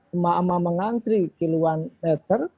emak emak mengantri kiluan meter